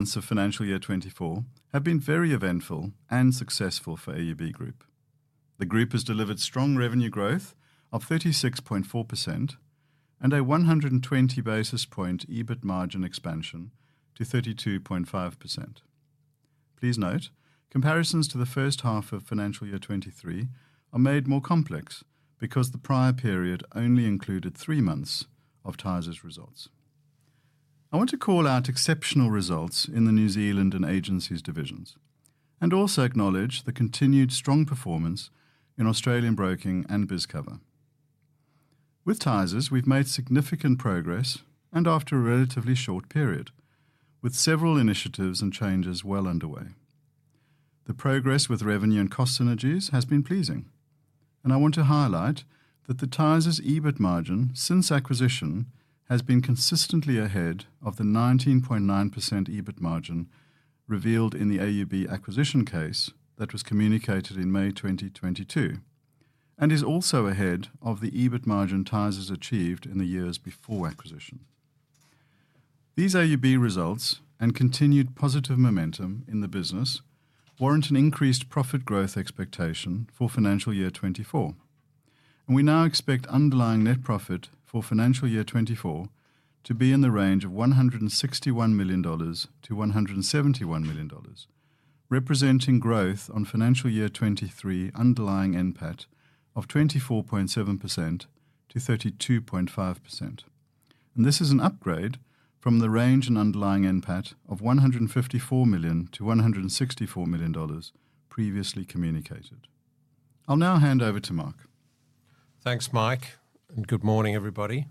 And so financial year 2024 have been very eventful and successful for AUB Group. The group has delivered strong revenue growth of 36.4% and a 120 basis points EBIT margin expansion to 32.5%. Please note, comparisons to the first half of financial year 2023 are made more complex because the prior period only included three months of Tysers results. I want to call out exceptional results in the New Zealand and Agencies divisions, and also acknowledge the continued strong performance in Australian Broking and BizCover. With Tysers, we've made significant progress and after a relatively short period, with several initiatives and changes well underway. The progress with revenue and cost synergies has been pleasing, and I want to highlight that the Tysers EBIT margin since acquisition has been consistently ahead of the 19.9% EBIT margin revealed in the AUB acquisition case that was communicated in May 2022, and is also ahead of the EBIT margin Tysers achieved in the years before acquisition. These AUB results and continued positive momentum in the business warrant an increased profit growth expectation for financial year 2024, and we now expect underlying net profit for financial year 2024 to be in the range of 161 million dollars to 171 million dollars, representing growth on financial year 2023 underlying NPAT of 24.7% to 32.5%. This is an upgrade from the range and underlying NPAT of 154 million to 164 million dollars previously communicated. I'll now hand over to Mark. Thanks, Mike, and good morning, everybody.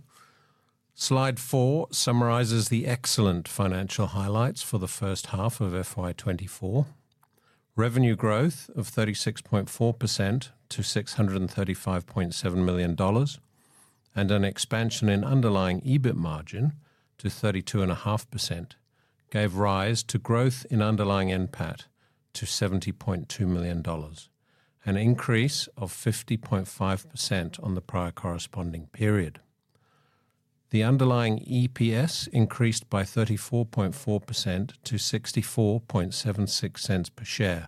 Slide 4 summarizes the excellent financial highlights for the first half of FY2024. Revenue growth of 36.4% to 635.7 million dollars and an expansion in underlying EBIT margin to 32.5% gave rise to growth in underlying NPAT to 70.2 million dollars, an increase of 50.5% on the prior corresponding period. The underlying EPS increased by 34.4% to 64.76 per share,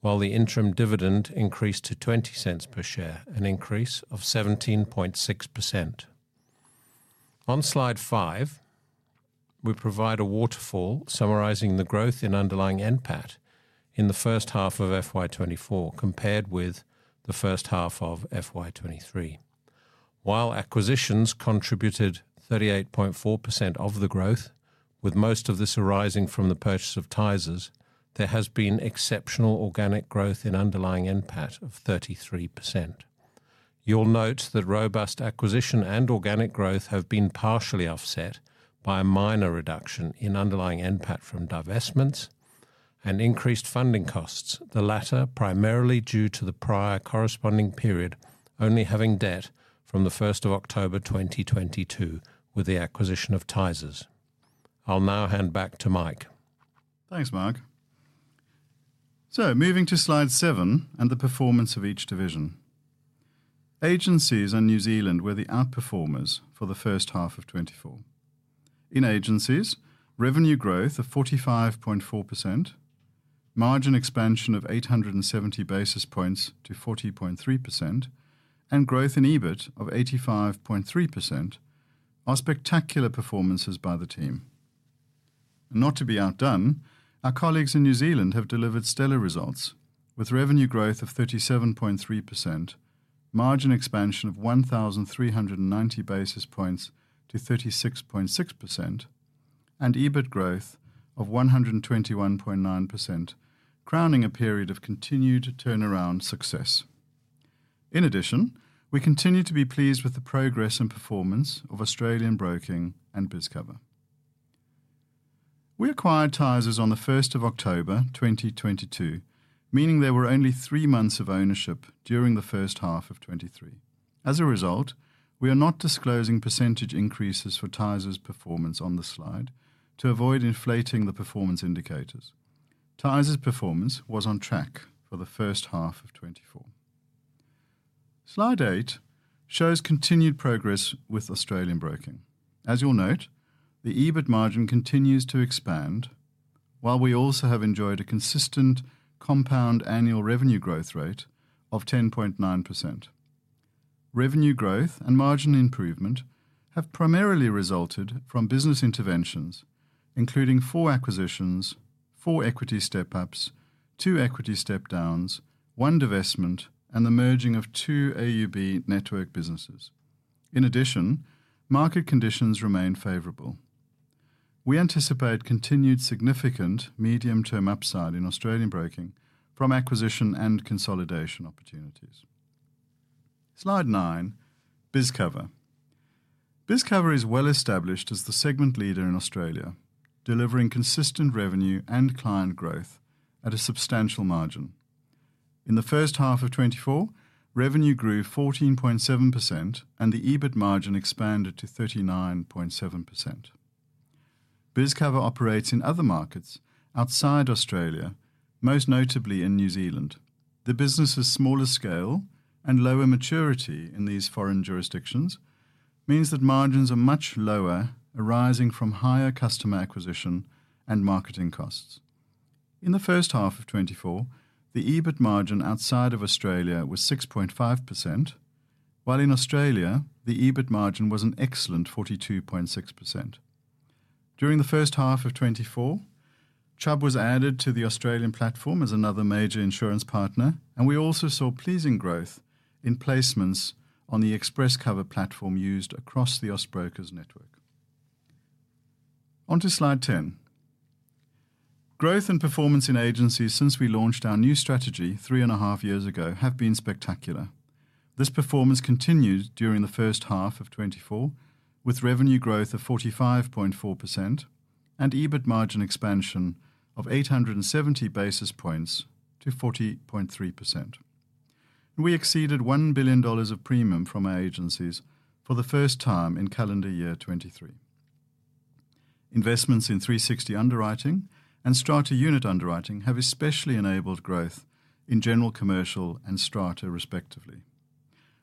while the interim dividend increased to 0.20 per share, an increase of 17.6%. On slide 5, we provide a waterfall summarizing the growth in underlying NPAT in the first half of FY2024 compared with the first half of FY2023. While acquisitions contributed 38.4% of the growth, with most of this arising from the purchase of Tysers, there has been exceptional organic growth in underlying NPAT of 33%. You'll note that robust acquisition and organic growth have been partially offset by a minor reduction in underlying NPAT from divestments and increased funding costs, the latter primarily due to the prior corresponding period only having debt from the 1st of October 2022 with the acquisition of Tysers. I'll now hand back to Mike. Thanks, Mark. So moving to slide 7 and the performance of each division. Agencies and New Zealand were the outperformers for the first half of 2024. In Agencies, revenue growth of 45.4%, margin expansion of 870 basis points to 40.3%, and growth in EBIT of 85.3% are spectacular performances by the team. And not to be outdone, our colleagues in New Zealand have delivered stellar results with revenue growth of 37.3%, margin expansion of 1,390 basis points to 36.6%, and EBIT growth of 121.9%, crowning a period of continued turnaround success. In addition, we continue to be pleased with the progress and performance of Australian broking and BizCover. We acquired Tysers on the 1st of October 2022, meaning there were only three months of ownership during the first half of 2023. As a result, we are not disclosing percentage increases for Tysers performance on this slide to avoid inflating the performance indicators. Tysers performance was on track for the first half of 2024. Slide 8 shows continued progress with Australian broking. As you'll note, the EBIT margin continues to expand, while we also have enjoyed a consistent compound annual revenue growth rate of 10.9%. Revenue growth and margin improvement have primarily resulted from business interventions, including four acquisitions, four equity step-ups, two equity step-downs, one divestment, and the merging of two AUB network businesses. In addition, market conditions remain favorable. We anticipate continued significant medium-term upside in Australian broking from acquisition and consolidation opportunities. Slide 9, BizCover. BizCover is well-established as the segment leader in Australia, delivering consistent revenue and client growth at a substantial margin. In the first half of 2024, revenue grew 14.7% and the EBIT margin expanded to 39.7%. BizCover operates in other markets outside Australia, most notably in New Zealand. The business's smaller scale and lower maturity in these foreign jurisdictions means that margins are much lower, arising from higher customer acquisition and marketing costs. In the first half of 2024, the EBIT margin outside of Australia was 6.5%, while in Australia the EBIT margin was an excellent 42.6%. During the first half of 2024, Chubb was added to the Australian platform as another major insurance partner, and we also saw pleasing growth in placements on the ExpressCover platform used across the Austbrokers network. Onto slide 10. Growth and performance in agencies since we launched our new strategy three and a half years ago have been spectacular. This performance continued during the first half of 2024, with revenue growth of 45.4% and EBIT margin expansion of 870 basis points to 40.3%. We exceeded 1 billion dollars of premium from our agencies for the first time in calendar year 2023. Investments in 360 Underwriting and Strata Unit Underwriting have especially enabled growth in General Commercial and Strata, respectively.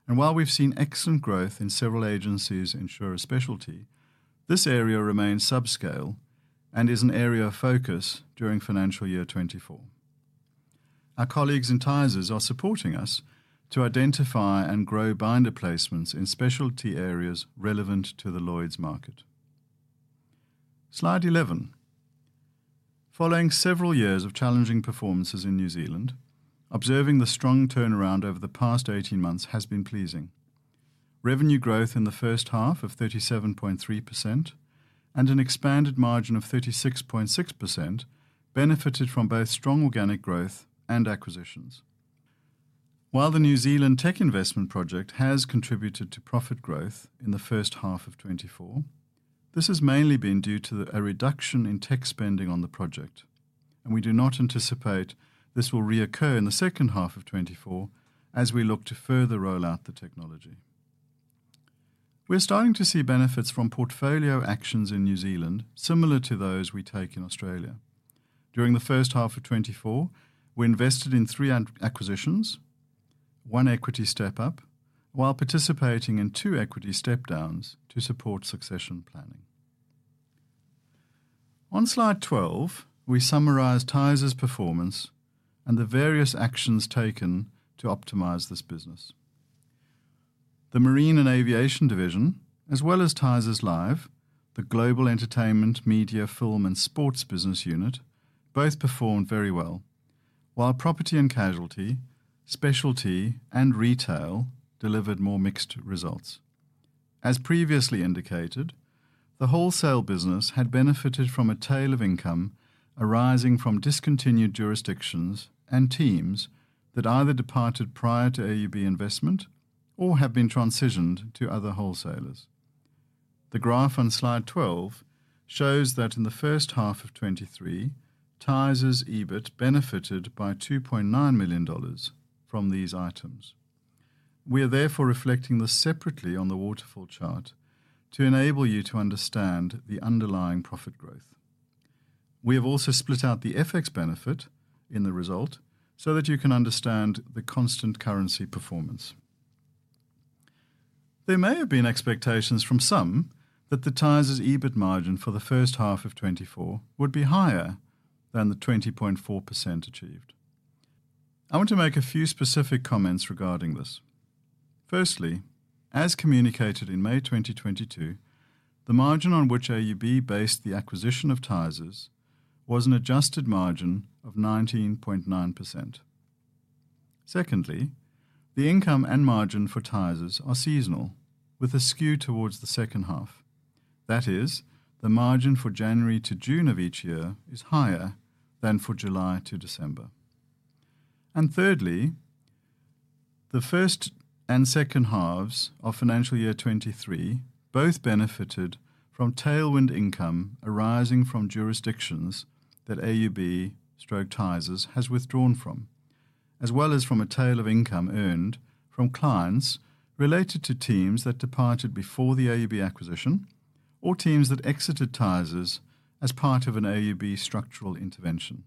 While we've seen excellent growth in several agencies in our Specialty, this area remains subscale and is an area of focus during financial year 2024. Our colleagues in Tysers are supporting us to identify and grow binder placements in Specialty areas relevant to the Lloyd's market. Slide 11. Following several years of challenging performances in New Zealand, observing the strong turnaround over the past 18 months has been pleasing. Revenue growth in the first half of 37.3% and an expanded margin of 36.6% benefited from both strong organic growth and acquisitions. While the New Zealand Tech Investment Project has contributed to profit growth in the first half of 2024, this has mainly been due to a reduction in tech spending on the project, and we do not anticipate this will reoccur in the second half of 2024 as we look to further roll out the technology. We're starting to see benefits from portfolio actions in New Zealand similar to those we take in Australia. During the first half of 2024, we invested in three acquisitions, one equity step-up, while participating in two equity step-downs to support succession planning. On slide 12, we summarise Tysers performance and the various actions taken to optimize this business. The Marine and Aviation Division, as well as Tysers Live, the Global Entertainment, Media, Film and Sports business unit, both performed very well, while Property and Casualty, Specialty and Retail delivered more mixed results. As previously indicated, the wholesale business had benefited from a tail of income arising from discontinued jurisdictions and teams that either departed prior to AUB investment or have been transitioned to other wholesalers. The graph on slide 12 shows that in the first half of 2023, Tysers EBIT benefited by 2.9 million dollars from these items. We are therefore reflecting this separately on the waterfall chart to enable you to understand the underlying profit growth. We have also split out the FX benefit in the result so that you can understand the constant currency performance. There may have been expectations from some that the Tysers EBIT margin for the first half of 2024 would be higher than the 20.4% achieved. I want to make a few specific comments regarding this. Firstly, as communicated in May 2022, the margin on which AUB based the acquisition of Tysers was an adjusted margin of 19.9%. Secondly, the income and margin for Tysers are seasonal, with a skew towards the second half. That is, the margin for January to June of each year is higher than for July to December. And thirdly, the first and second halves of financial year 2023 both benefited from tailwind income arising from jurisdictions that AUB/Tysers has withdrawn from, as well as from a tail of income earned from clients related to teams that departed before the AUB acquisition or teams that exited Tysers as part of an AUB structural intervention.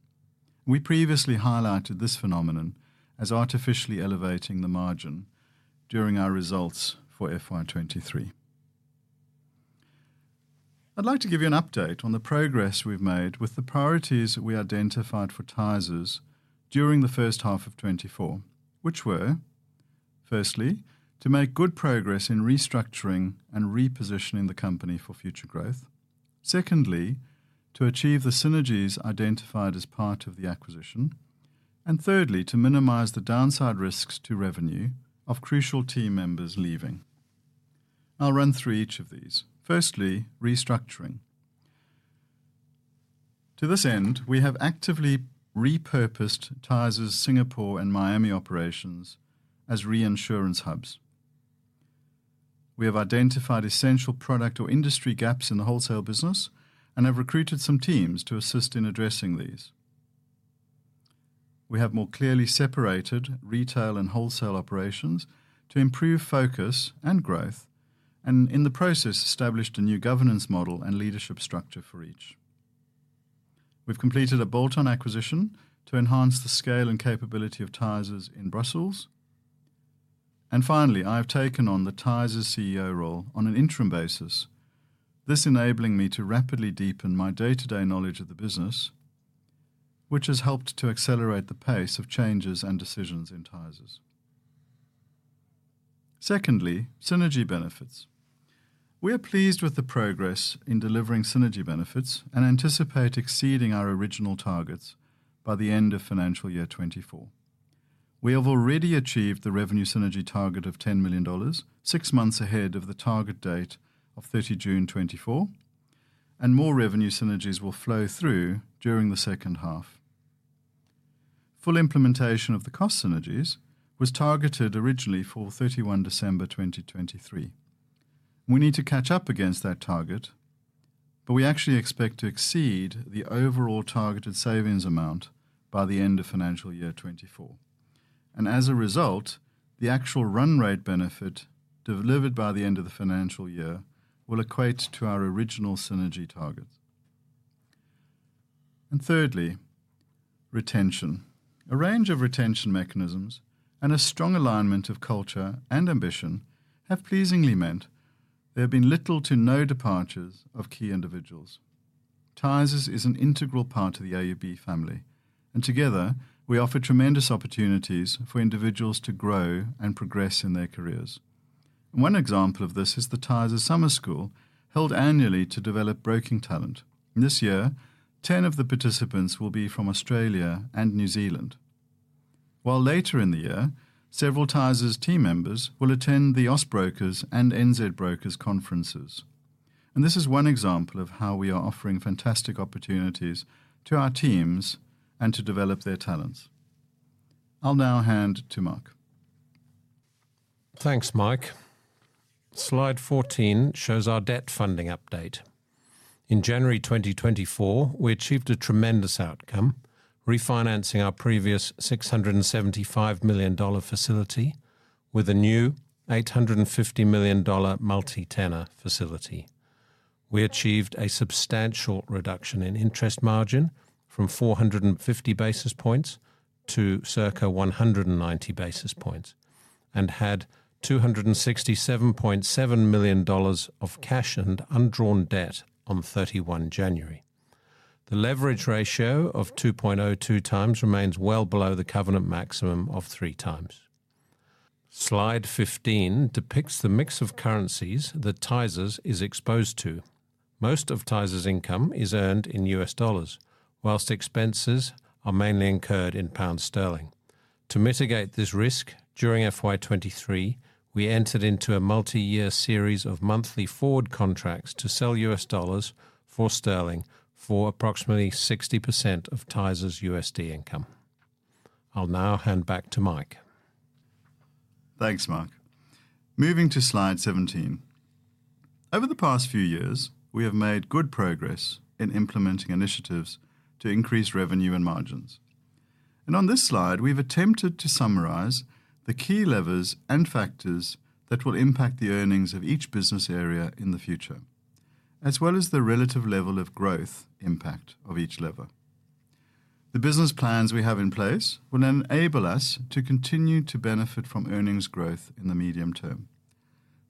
We previously highlighted this phenomenon as artificially elevating the margin during our results for FY2023. I'd like to give you an update on the progress we've made with the priorities that we identified for Tysers during the first half of 2024, which were, firstly, to make good progress in restructuring and repositioning the company for future growth. Secondly, to achieve the synergies identified as part of the acquisition. Thirdly, to minimize the downside risks to revenue of crucial team members leaving. I'll run through each of these. Firstly, restructuring. To this end, we have actively repurposed Tysers Singapore and Miami operations as reinsurance hubs. We have identified essential product or industry gaps in the wholesale business and have recruited some teams to assist in addressing these. We have more clearly separated retail and wholesale operations to improve focus and growth, and in the process established a new governance model and leadership structure for each. We've completed a bolt-on acquisition to enhance the scale and capability of Tysers in Brussels. And finally, I have taken on the Tysers CEO role on an interim basis, this enabling me to rapidly deepen my day-to-day knowledge of the business, which has helped to accelerate the pace of changes and decisions in Tysers. Secondly, synergy benefits. We are pleased with the progress in delivering synergy benefits and anticipate exceeding our original targets by the end of financial year 2024. We have already achieved the revenue synergy target of 10 million dollars, six months ahead of the target date of 30 June 2024, and more revenue synergies will flow through during the second half. Full implementation of the cost synergies was targeted originally for 31 December 2023. We need to catch up against that target, but we actually expect to exceed the overall targeted savings amount by the end of financial year 2024. As a result, the actual run rate benefit delivered by the end of the financial year will equate to our original synergy targets. Thirdly, retention. A range of retention mechanisms and a strong alignment of culture and ambition have pleasingly meant there have been little to no departures of key individuals. Tysers is an integral part of the AUB family, and together we offer tremendous opportunities for individuals to grow and progress in their careers. One example of this is the Tysers Summer School held annually to develop broking talent. This year, 10 of the participants will be from Australia and New Zealand. While later in the year, several Tysers team members will attend the Austbrokers and NZbrokers conferences. This is one example of how we are offering fantastic opportunities to our teams and to develop their talents. I'll now hand to Mark. Thanks, Mike. Slide 14 shows our debt funding update. In January 2024, we achieved a tremendous outcome refinancing our previous 675 million dollar facility with a new 850 million dollar multi-tenor facility. We achieved a substantial reduction in interest margin from 450 basis points to circa 190 basis points and had 267.7 million dollars of cash and undrawn debt on 31 January. The leverage ratio of 2.02x remains well below the covenant maximum of three times. Slide 15 depicts the mix of currencies that Tysers is exposed to. Most of Tysers income is earned in U.S. dollars, while expenses are mainly incurred in pound sterling. To mitigate this risk, during FY 2023, we entered into a multi-year series of monthly forward contracts to sell U.S. dollars for sterling for approximately 60% of Tysers USD income. I'll now hand back to Mike. Thanks, Mark. Moving to slide 17. Over the past few years, we have made good progress in implementing initiatives to increase revenue and margins. On this slide, we've attempted to summarize the key levers and factors that will impact the earnings of each business area in the future, as well as the relative level of growth impact of each lever. The business plans we have in place will enable us to continue to benefit from earnings growth in the medium term.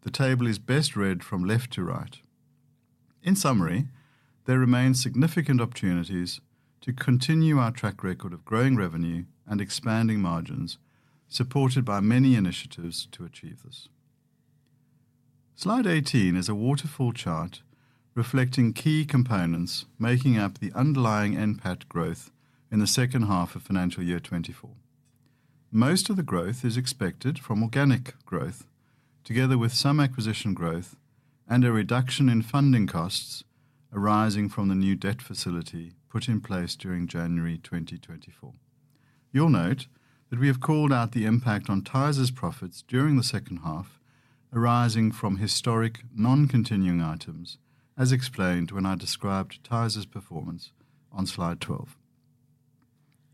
The table is best read from left to right. In summary, there remain significant opportunities to continue our track record of growing revenue and expanding margins, supported by many initiatives to achieve this. Slide 18 is a waterfall chart reflecting key components making up the underlying NPAT growth in the second half of financial year 2024. Most of the growth is expected from organic growth, together with some acquisition growth and a reduction in funding costs arising from the new debt facility put in place during January 2024. You'll note that we have called out the impact on Tysers profits during the second half arising from historic non-continuing items, as explained when I described Tysers performance on slide 12.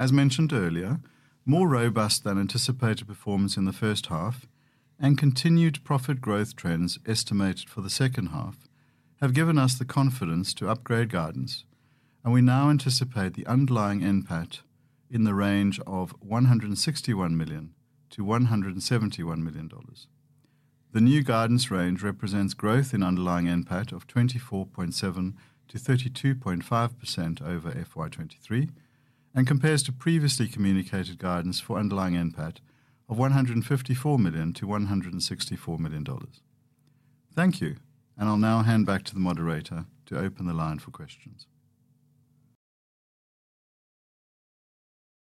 As mentioned earlier, more robust than anticipated performance in the first half and continued profit growth trends estimated for the second half have given us the confidence to upgrade guidance, and we now anticipate the underlying NPAT in the range of 161 million to 171 million dollars. The new guidance range represents growth in underlying NPAT of 24.7% to 32.5% over FY2023 and compares to previously communicated guidance for underlying NPAT of 154 million to 164 million dollars. Thank you, and I'll now hand back to the moderator to open the line for questions.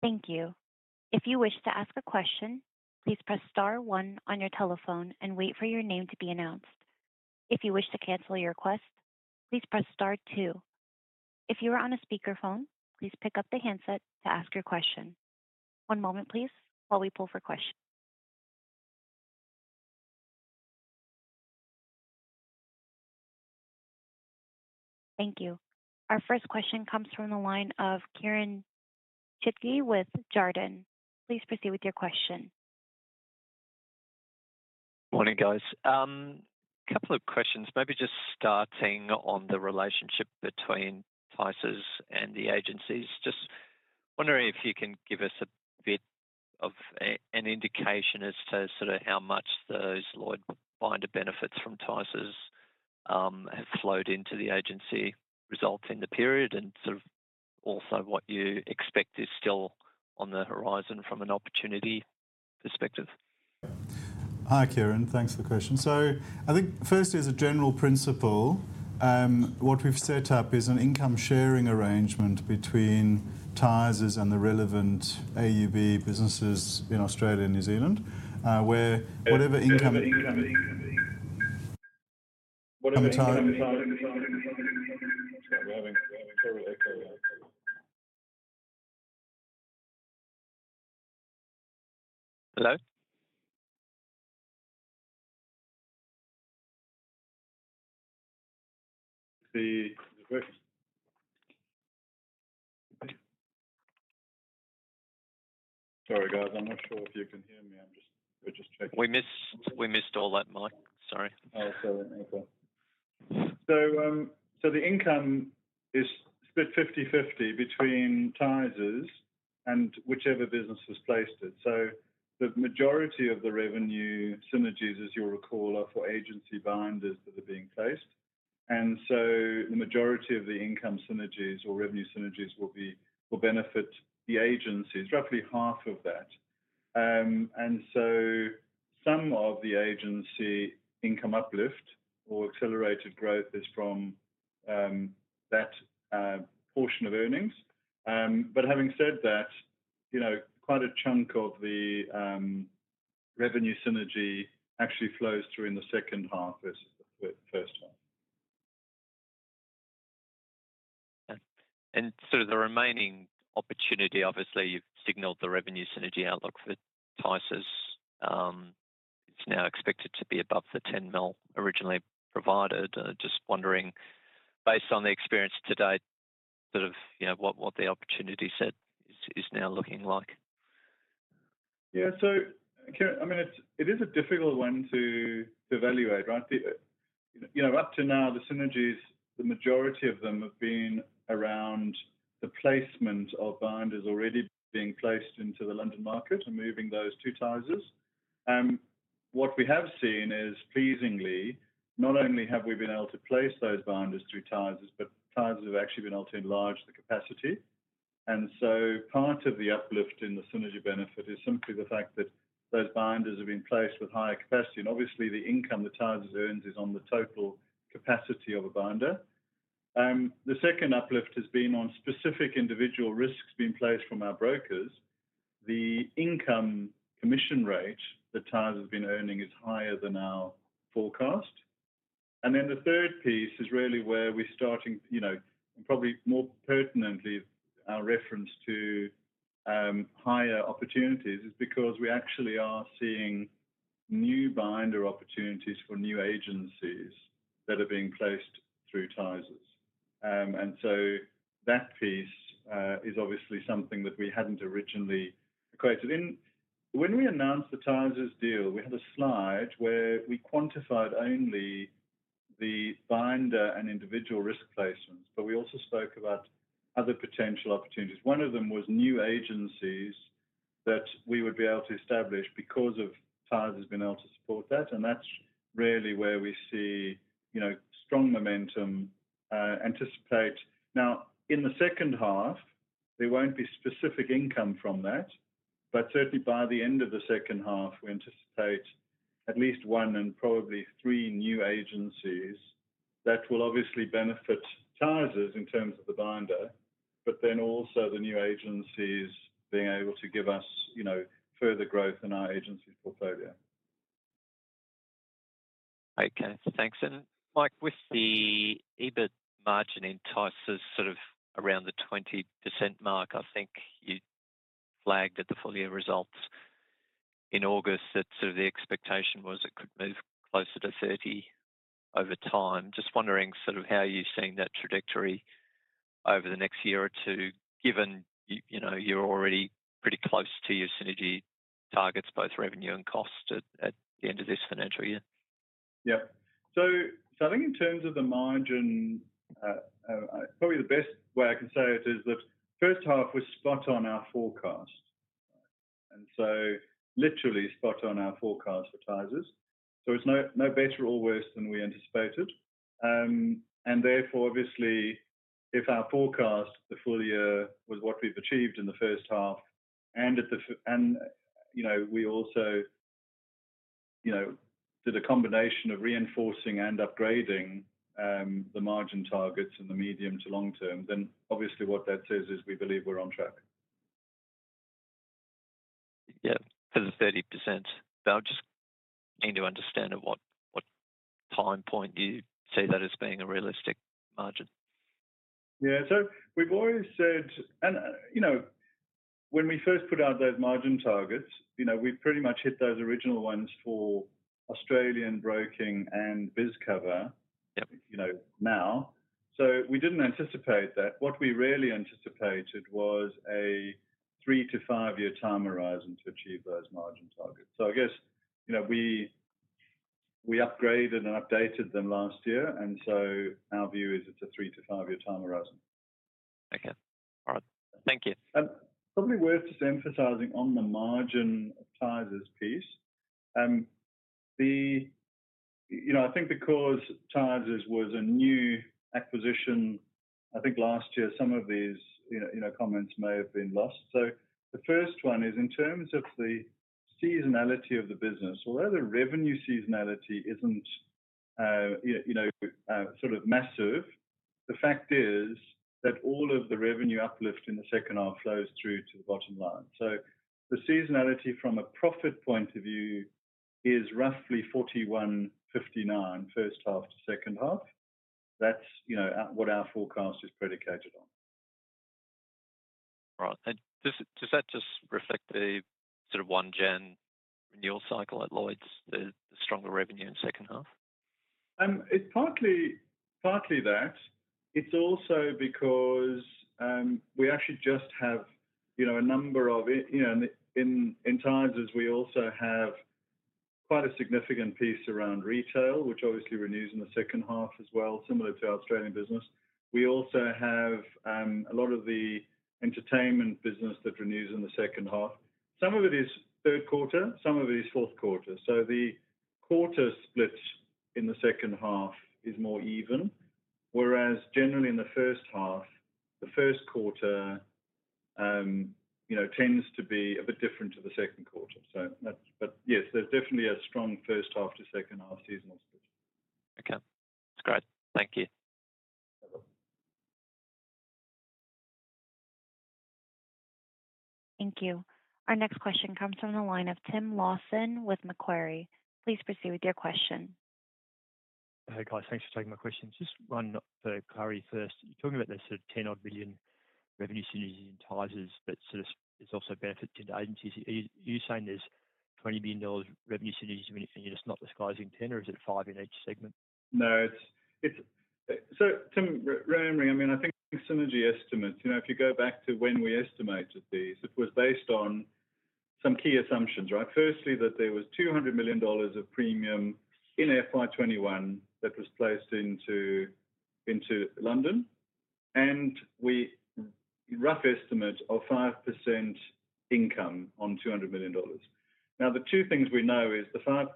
Thank you. If you wish to ask a question, please press star one on your telephone and wait for your name to be announced. If you wish to cancel your request, please press star two. If you are on a speakerphone, please pick up the handset to ask your question. One moment, please, while we pull for questions. Thank you. Our first question comes from the line of Kieran Chidgey with Jarden. Please proceed with your question. Morning, guys. Couple of questions, maybe just starting on the relationship between Tysers and the agencies. Just wondering if you can give us a bit of an indication as to sort of how much those Lloyd's benefits from Tysers have flowed into the agency result in the period and sort of also what you expect is still on the horizon from an opportunity perspective. Hi, Kieren. Thanks for the question. So I think first, as a general principle, what we've set up is an income sharing arrangement between Tysers and the relevant AUB businesses in Australia and New Zealand, where whatever income comes out of the sorry, we're having terrible echo right now. Hello? Sorry, guys. I'm not sure if you can hear me. We're just checking. We missed all that, Mike. Sorry. Oh, sorry. Okay. So the income is split 50/50 between Tysers and whichever business has placed it. So the majority of the revenue synergies, as you'll recall, are for agency binders that are being placed. And so the majority of the income synergies or revenue synergies will benefit the agencies, roughly half of that. And so some of the agency income uplift or accelerated growth is from that portion of earnings. But having said that, quite a chunk of the revenue synergy actually flows through in the second half versus the first half. And so the remaining opportunity, obviously, you've signalled the revenue synergy outlook for Tysers. It's now expected to be above the 10 million originally provided. Just wondering, based on the experience to date, sort of what the opportunity set is now looking like. Yeah. So, Kieran, I mean, it is a difficult one to evaluate, right? Up to now, the synergies, the majority of them have been around the placement of binders already being placed into the London Market and moving those to Tysers. What we have seen is, pleasingly, not only have we been able to place those binders through Tysers, but Tysers have actually been able to enlarge the capacity. And so part of the uplift in the synergy benefit is simply the fact that those binders have been placed with higher capacity. And obviously, the income that Tysers earns is on the total capacity of a binder. The second uplift has been on specific individual risks being placed from our brokers. The income commission rate that Tysers been earning is higher than our forecast. And then the third piece is really where we're starting and probably more pertinently, our reference to higher opportunities is because we actually are seeing new binder opportunities for new agencies that are being placed through Tysers. And so that piece is obviously something that we hadn't originally equated. When we announced the Tysers deal, we had a slide where we quantified only the binder and individual risk placements, but we also spoke about other potential opportunities. One of them was new agencies that we would be able to establish because of Tysers being able to support that. And that's really where we see strong momentum anticipate. Now, in the second half, there won't be specific income from that. But certainly, by the end of the second half, we anticipate at least one and probably three new agencies that will obviously benefit Tysers in terms of the binder, but then also the new agencies being able to give us further growth in our agency's portfolio. Okay. Thanks. And, Mike, with the EBIT margin in Tysers sort of around the 20% mark, I think you flagged at the full-year results in August that sort of the expectation was it could move closer to 30 over time. Just wondering sort of how you've seen that trajectory over the next year or two, given you're already pretty close to your synergy targets, both revenue and cost, at the end of this financial year. Yeah. So I think in terms of the margin, probably the best way I can say it is that first half was spot on our forecast, and so literally spot on our forecast for Tysers. So it's no better or worse than we anticipated. And therefore, obviously, if our forecast for the full year was what we've achieved in the first half and we also did a combination of reinforcing and upgrading the margin targets in the medium to long term, then obviously what that says is we believe we're on track. Yeah. Because of 30%. But I'm just keen to understand at what time point you say that is being a realistic margin. Yeah. So we've always said and when we first put out those margin targets, we've pretty much hit those original ones for Australian broking and BizCover now. So we didn't anticipate that. What we really anticipated was a 3 to 5-year time horizon to achieve those margin targets. So I guess we upgraded and updated them last year. And so our view is it's a 3 to 5-year time horizon. Okay. All right. Thank you. And probably worth just emphasizing on the margin of Tysers piece. I think because Tysers was a new acquisition, I think last year some of these comments may have been lost. So the first one is in terms of the seasonality of the business, although the revenue seasonality isn't sort of massive, the fact is that all of the revenue uplift in the second half flows through to the bottom line. So the seasonality from a profit point of view is roughly 41/59 first half to second half. That's what our forecast is predicated on. Right. Does that just reflect the sort of 1 Jan renewal cycle at Lloyd's, the stronger revenue in second half? It's partly that. It's also because we actually just have a number of in Tysers, we also have quite a significant piece around retail, which obviously renews in the second half as well, similar to our Australian business. We also have a lot of the entertainment business that renews in the second half. Some of it is third quarter. Some of it is fourth quarter. So the quarter split in the second half is more even, whereas generally in the first half, the first quarter tends to be a bit different to the second quarter. But yes, there's definitely a strong first half to second half seasonal split. Okay. That's great. Thank you. No problem. Thank you. Our next question comes from the line of Tim Lawson with Macquarie. Please proceed with your question. Hey, guys. Thanks for taking my question. Just one for Macquarie first. You're talking about there's sort of 10-odd million revenue synergies in Tysers that sort of is also benefit 10 agencies. Are you saying there's 20 million dollars revenue synergies and you're just not disclosing 10, or is it 5 in each segment? No. So Tim, remembering, I mean, I think synergy estimates, if you go back to when we estimated these, it was based on some key assumptions, right? Firstly, that there was 200 million dollars of premium in FY21 that was placed into London, and we rough estimate of 5% income on 200 million dollars. Now, the two things we know is the 5%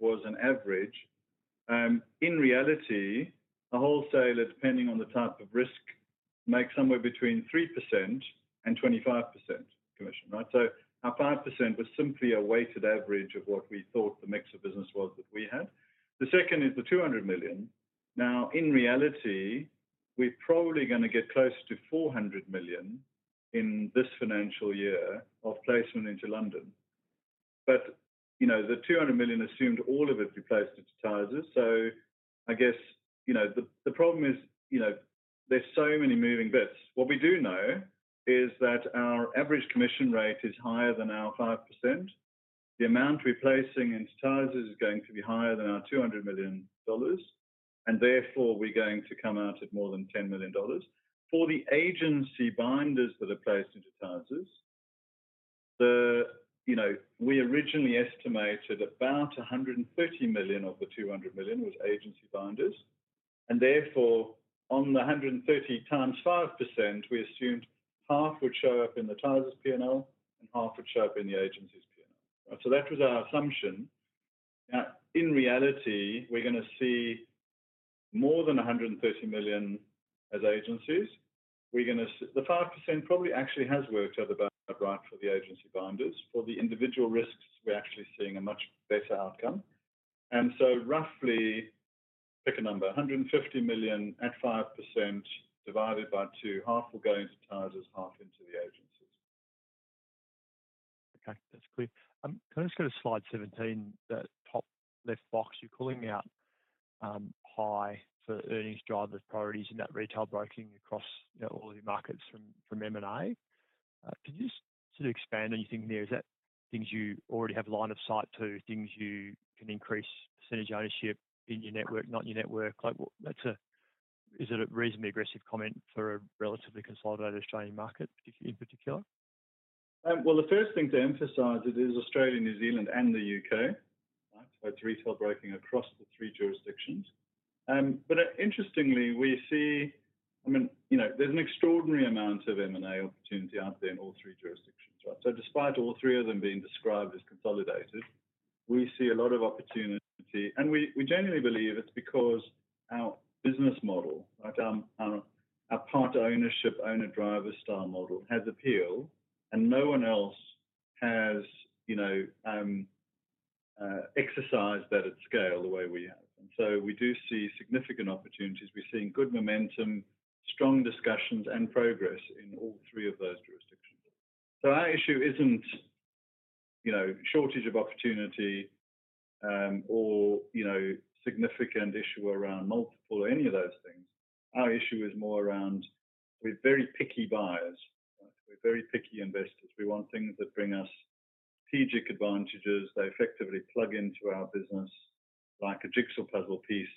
was an average. In reality, a wholesaler, depending on the type of risk, makes somewhere between 3%-25% commission, right? So our 5% was simply a weighted average of what we thought the mix of business was that we had. The second is the 200 million. Now, in reality, we're probably going to get close to 400 million in this financial year of placement into London. But the 200 million assumed all of it be placed into Tysers. So I guess the problem is there's so many moving bits. What we do know is that our average commission rate is higher than our 5%. The amount we're placing into Tysers is going to be higher than our 200 million dollars, and therefore we're going to come out at more than 10 million dollars. For the agency binders that are placed into Tysers, we originally estimated about 130 million of the 200 million was agency binders. And therefore, on the 130 million × 5%, we assumed half would show up in the Tysers P&L and half would show up in the agency's P&L, right? So that was our assumption. Now, in reality, we're going to see more than 130 million as agencies. The 5% probably actually has worked out about right for the agency binders. For the individual risks, we're actually seeing a much better outcome. And so roughly, pick a number, 150 million at 5% divided by 2, half will go into Tysers, half into the agencies. Okay. That's clear. Can I just go to slide 17, that top left box you're calling out high for earnings driver priorities in that retail broking across all of your markets from M&A? Could you just sort of expand on your thinking there? Is that things you already have line of sight to, things you can increase percentage ownership in your network, not your network? Is it a reasonably aggressive comment for a relatively consolidated Australian market in particular? Well, the first thing to emphasise it is Australia, New Zealand, and the U.K., right? So it's retail broking across the three jurisdictions. But interestingly, we see I mean, there's an extraordinary amount of M&A opportunity out there in all three jurisdictions, right? So despite all three of them being described as consolidated, we see a lot of opportunity. And we genuinely believe it's because our business model, right, our part ownership, owner driver style model has appeal, and no one else has exercised that at scale the way we have. And so we do see significant opportunities. We're seeing good momentum, strong discussions, and progress in all three of those jurisdictions. So our issue isn't shortage of opportunity or significant issue around multiple or any of those things. Our issue is more around we're very picky buyers, right? We're very picky investors. We want things that bring us strategic advantages. They effectively plug into our business like a jigsaw puzzle piece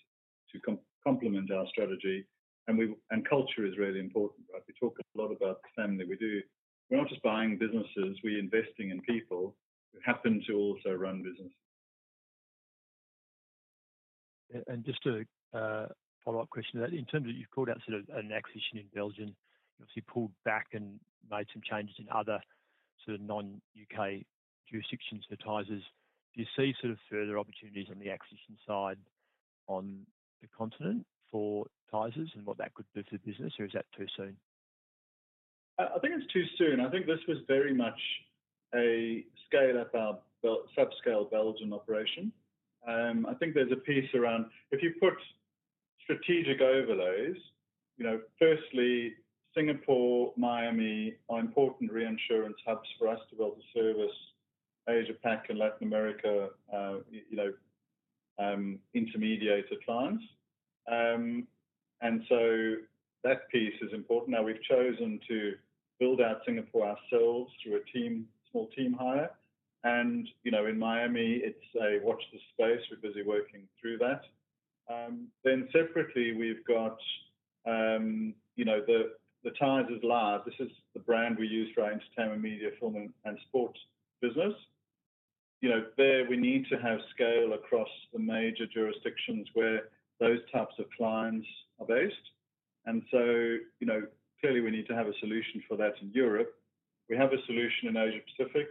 to complement our strategy. And culture is really important, right? We talk a lot about the family. We're not just buying businesses. We're investing in people who happen to also run businesses. And just a follow-up question to that. In terms of you've called out sort of an acquisition in Belgium. You obviously pulled back and made some changes in other sort of non-U.K. jurisdictions for Tysers. Do you see sort of further opportunities on the acquisition side on the continent for Tysers and what that could do for the business, or is that too soon? I think it's too soon. I think this was very much a sub-scale Belgian operation. I think there's a piece around if you put strategic overlays, firstly, Singapore, Miami are important reinsurance hubs for us to be able to service Asia-Pac and Latin America intermediator clients. And so that piece is important. Now, we've chosen to build out Singapore ourselves through a small team hire. And in Miami, it's a watch the space. We're busy working through that. Then separately, we've got the Tysers Live. This is the brand we use for our entertainment, media, film, and sports business. There, we need to have scale across the major jurisdictions where those types of clients are based. And so clearly, we need to have a solution for that in Europe. We have a solution in Asia-Pacific.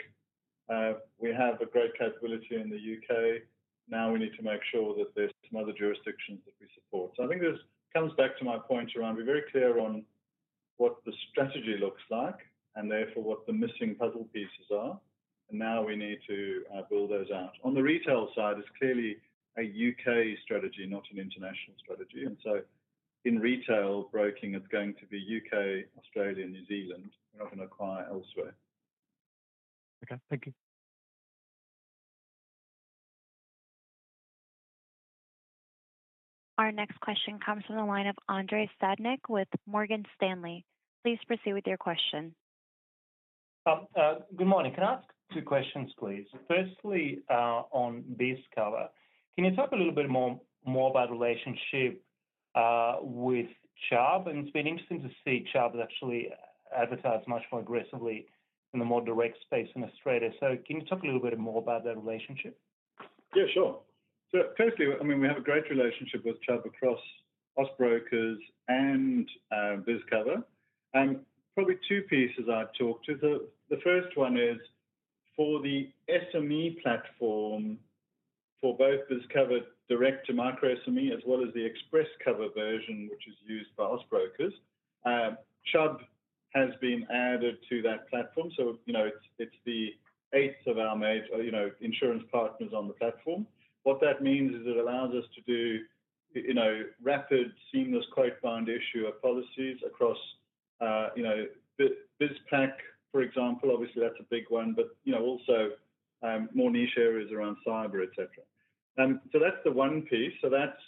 We have a great capability in the U.K.. Now, we need to make sure that there's some other jurisdictions that we support. So I think this comes back to my point around be very clear on what the strategy looks like and therefore what the missing puzzle pieces are. And now we need to build those out. On the retail side, it's clearly a strategy, not an international strategy. And so in retail broking, it's going to be U.K., Australia, New Zealand. We're not going to acquire elsewhere. Okay. Thank you. Our next question comes from the line of Andrei Stadnik with Morgan Stanley. Please proceed with your question. Good morning. Can I ask two questions, please? Firstly, on BizCover, can you talk a little bit more about relationship with Chubb? And it's been interesting to see Chubb actually advertise much more aggressively in the more direct space in Australia. So can you talk a little bit more about that relationship? Yeah. Sure. So firstly, I mean, we have a great relationship with Chubb across Austbrokers and BizCover. Probably two pieces I'd talk to. The first one is for the SME platform for both BizCover direct to micro SME as well as the ExpressCover version, which is used by Austbrokers. Chubb has been added to that platform. So it's the eighth of our major insurance partners on the platform. What that means is it allows us to do rapid, seamless quote-bind issue of policies across BizPack, for example. Obviously, that's a big one, but also more niche areas around cyber, etc. So that's the one piece. So that's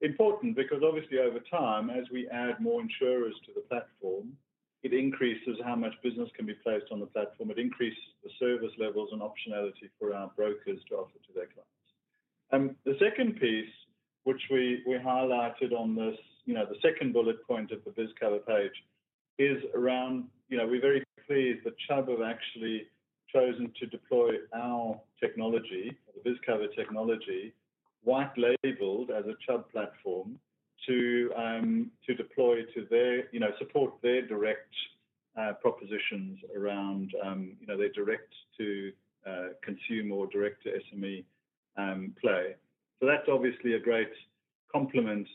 important because obviously, over time, as we add more insurers to the platform, it increases how much business can be placed on the platform. It increases the service levels and optionality for our brokers to offer to their clients. The second piece, which we highlighted on the second bullet point of the BizCover page, is around we're very pleased that Chubb have actually chosen to deploy our technology, the BizCover technology, white-labeled as a Chubb platform to deploy to support their direct propositions around their direct-to-consume or direct-to-SME play. So that's obviously a great compliment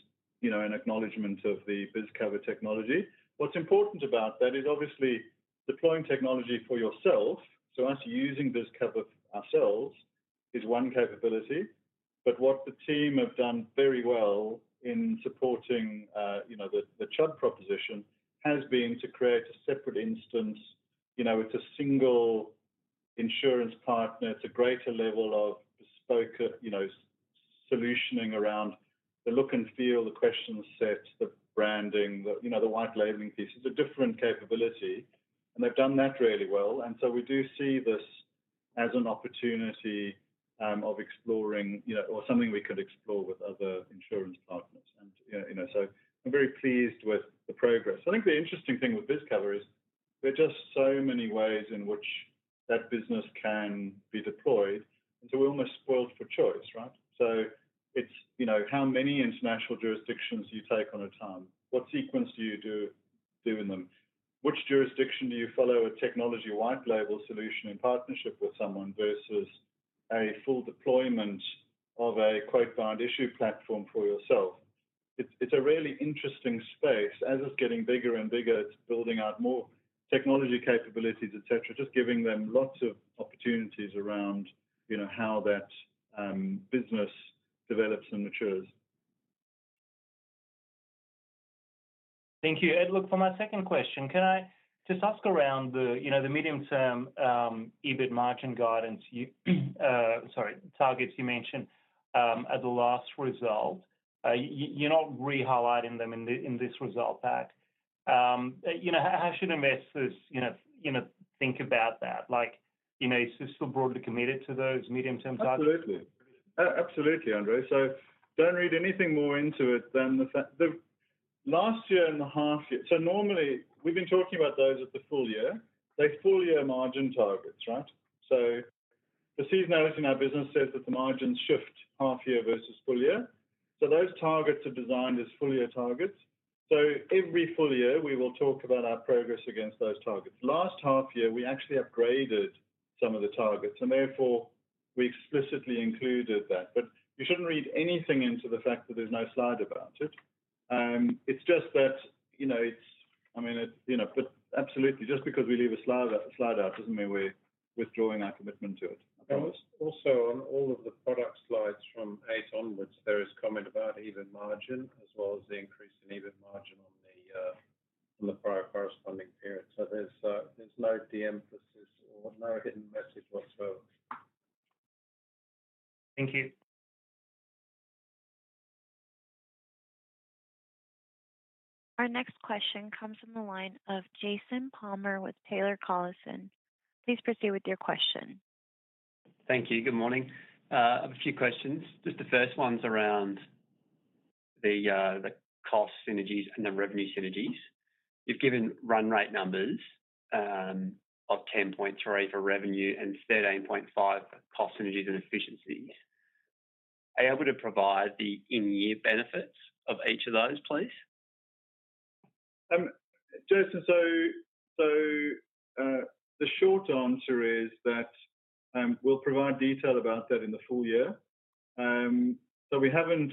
and acknowledgement of the BizCover technology. What's important about that is obviously deploying technology for yourself. So us using BizCover ourselves is one capability. But what the team have done very well in supporting the Chubb proposition has been to create a separate instance. It's a single insurance partner. It's a greater level of bespoke solutioning around the look and feel, the question set, the branding, the white-labeling piece. It's a different capability. And they've done that really well. And so we do see this as an opportunity of exploring or something we could explore with other insurance partners. And so I'm very pleased with the progress. I think the interesting thing with BizCover is there are just so many ways in which that business can be deployed. And so we're almost spoiled for choice, right? So it's how many international jurisdictions you take on a time. What sequence do you do in them? Which jurisdiction do you follow a technology white-label solution in partnership with someone versus a full deployment of a quote-bind issue platform for yourself? It's a really interesting space. As it's getting bigger and bigger, it's building out more technology capabilities, etc., just giving them lots of opportunities around how that business develops and matures. Thank you. And look, for my second question, can I just ask around the medium-term EBIT margin guidance, sorry, targets you mentioned at the last result? You're not re-highlighting them in this result pack. How should investors think about that? Is this still broadly committed to those medium-term targets? Absolutely. Absolutely, Andrei. So don't read anything more into it than the fact last year and the half-year, so normally, we've been talking about those at the full year. They're full-year margin targets, right? So the seasonality in our business says that the margins shift half-year versus full-year. So those targets are designed as full-year targets. So every full year, we will talk about our progress against those targets. Last half-year, we actually upgraded some of the targets, and therefore, we explicitly included that. But you shouldn't read anything into the fact that there's no slide about it. It's just that it's I mean, it's but absolutely, just because we leave a slide out doesn't mean we're withdrawing our commitment to it. Also, on all of the product slides from 8 onwards, there is comment about EBIT margin as well as the increase in EBIT margin on the prior corresponding period. So there's no de-emphasis or no hidden message whatsoever. Thank you. Our next question comes from the line of Jason Palmer with Taylor Collison. Please proceed with your question. Thank you. Good morning. I have a few questions. Just the first one's around the cost synergies and the revenue synergies. You've given run rate numbers of 10.3 for revenue and 13.5 for cost synergies and efficiencies. Are you able to provide the in-year benefits of each of those, please? Jason, so the short answer is that we'll provide detail about that in the full year. So we haven't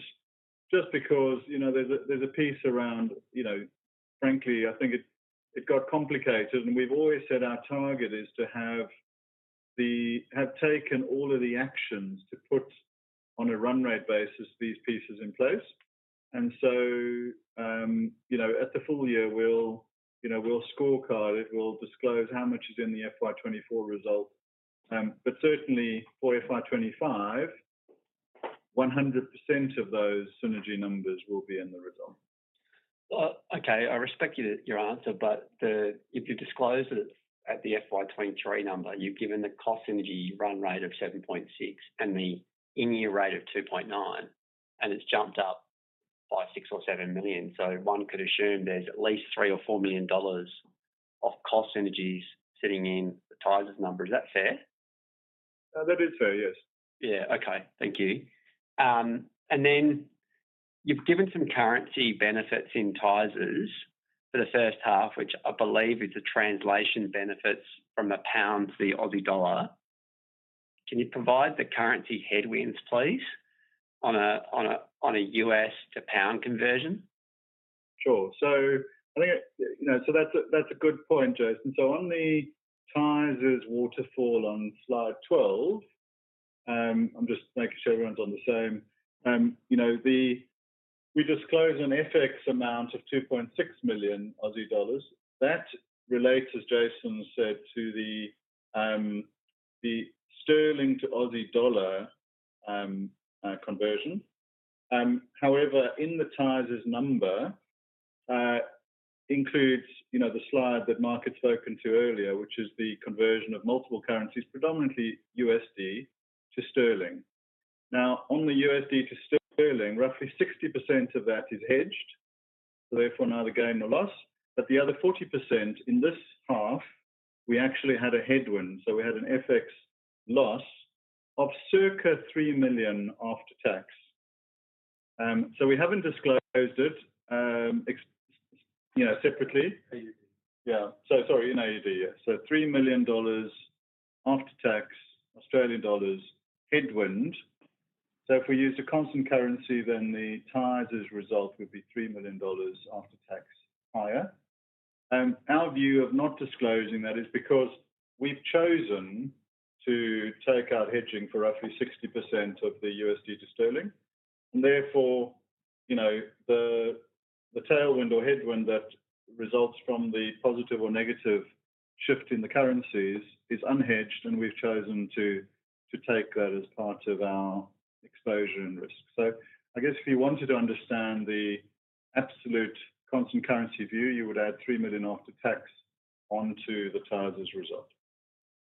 just because there's a piece around frankly, I think it got complicated. And we've always said our target is to have taken all of the actions to put on a run rate basis these pieces in place. And so at the full year, we'll scorecard it. We'll disclose how much is in the FY24 result. But certainly, for FY25, 100% of those synergy numbers will be in the result. Okay. I respect your answer. But if you disclose it at the FY23 number, you've given the cost synergy run rate of 7.6 and the in-year rate of 2.9, and it's jumped up by 6 million or 7 million. So one could assume there's at least 3 million or 4 million dollars of cost synergies sitting in the Tysers number. Is that fair? That is fair. Yes. Yeah. Okay. Thank you. Then you've given some currency benefits in Tysers for the first half, which I believe is the translation benefits from the pound to the Aussie dollar. Can you provide the currency headwinds, please, on a USD to pound conversion? Sure. So I think so that's a good point, Jason. So on the Tysers waterfall on slide 12, I'm just making sure everyone's on the same. We disclose an FX amount of 2.6 million Aussie dollars. That relates, as Jason said, to the sterling to Aussie dollar conversion. However, in the Tysers number, includes the slide that Mark had spoken to earlier, which is the conversion of multiple currencies, predominantly USD, to sterling. Now, on the USD to sterling, roughly 60% of that is hedged. So therefore, neither gain nor loss. But the other 40% in this half, we actually had a headwind. So we had an FX loss of circa 3 million after tax. So we haven't disclosed it separately. AUD. Yeah. So sorry. In AUD. Yeah. So 3 million dollars after tax, Australian dollars, headwind. So if we use a constant currency, then the Tysers result would be 3 million dollars after tax higher. Our view of not disclosing that is because we've chosen to take out hedging for roughly 60% of the USD to sterling. And therefore, the tailwind or headwind that results from the positive or negative shift in the currencies is unhedged. And we've chosen to take that as part of our exposure and risk. So I guess if you wanted to understand the absolute constant currency view, you would add 3 million after tax onto the Tysers result.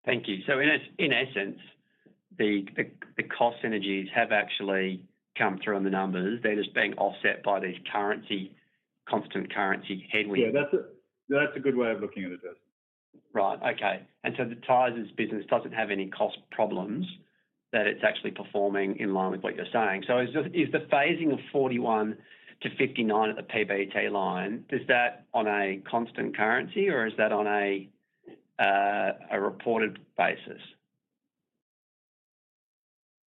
Thank you. So in essence, the cost synergies have actually come through on the numbers. They're just being offset by these constant currency headwinds. Yeah. That's a good way of looking at it. Right. Okay. And so the Tysers business doesn't have any cost problems that it's actually performing in line with what you're saying. So is the phasing of 41 to 59 at the PBT line, is that on a constant currency, or is that on a reported basis?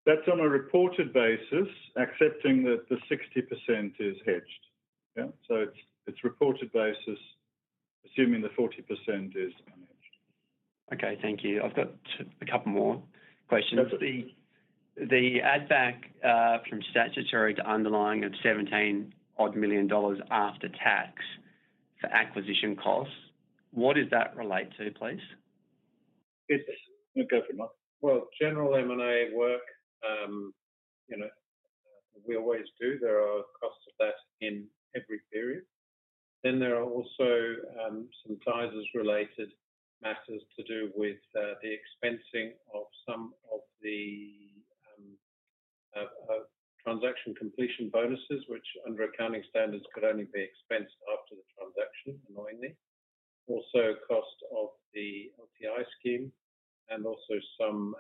That's on a reported basis, accepting that the 60% is hedged. Yeah. So it's reported basis, assuming the 40% is unhedged. Okay. Thank you. I've got a couple more questions. The add-back from statutory to underlying of 17-odd million dollars after tax for acquisition costs, what does that relate to, please? Go for it, Mark. Well, general M&A work, we always do. There are costs of that in every period. Then there are also some Tysers-related matters to do with the expensing of some of the transaction completion bonuses, which under accounting standards could only be expensed after the transaction, annoyingly. Also, cost of the LTI scheme and also some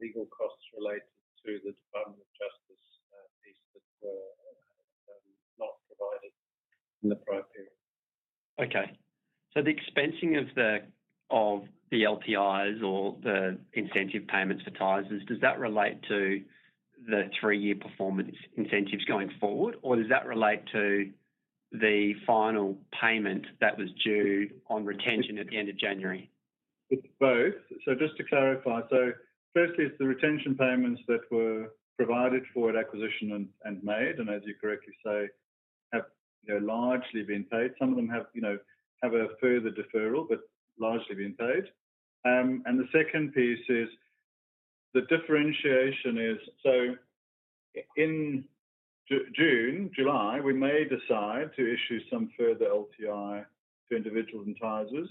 legal costs related to the Department of Justice piece that were not provided in the prior period. Okay. So the expensing of the LTIs or the incentive payments for Tysers, does that relate to the three-year performance incentives going forward, or does that relate to the final payment that was due on retention at the end of January? It's both. So just to clarify, so firstly, it's the retention payments that were provided for at acquisition and made, and as you correctly say, have largely been paid. Some of them have a further deferral but largely been paid. And the second piece is the differentiation is so in June, July, we may decide to issue some further LTI to individuals in Tysers.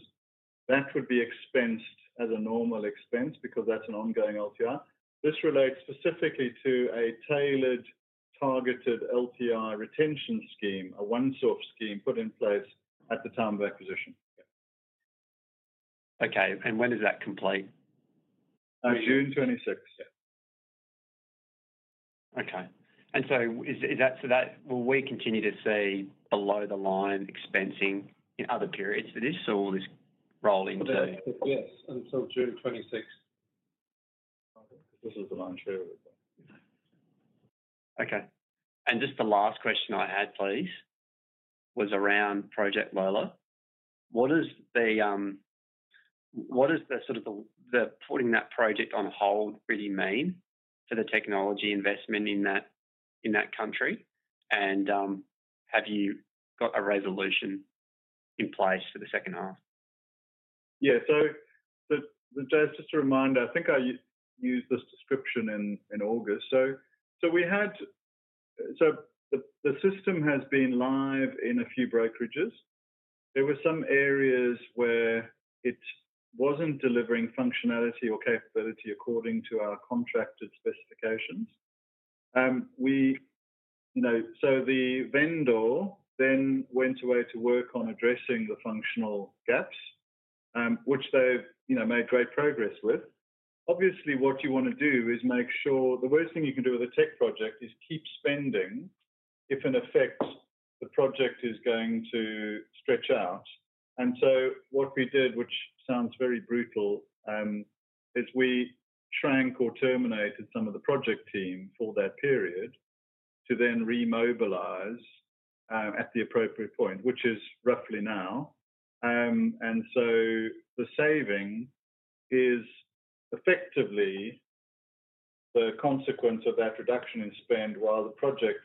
That would be expensed as a normal expense because that's an ongoing LTI. This relates specifically to a tailored, targeted LTI retention scheme, a one-off scheme put in place at the time of acquisition. Okay. And when is that complete? June 26th. Yeah. Okay. And so will we continue to see below-the-line expensing in other periods than this, or will this roll into? Yes. Until June 26th. Because this is the equity share with them. Okay. And just the last question I had, please, was around Project Lola. What does the sort of putting that project on hold really mean for the technology investment in that country? And have you got a resolution in place for the second half? Yeah. So just a reminder, I think I used this description in August. So the system has been live in a few brokerages. There were some areas where it wasn't delivering functionality or capability according to our contracted specifications. So the vendor then went away to work on addressing the functional gaps, which they've made great progress with. Obviously, what you want to do is make sure the worst thing you can do with a tech project is keep spending if, in effect, the project is going to stretch out. And so what we did, which sounds very brutal, is we shrank or terminated some of the project team for that period to then remobilize at the appropriate point, which is roughly now. So the saving is effectively the consequence of that reduction in spend while the project